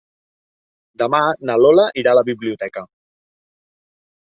Demà na Lola irà a la biblioteca.